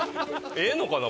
ええのかな？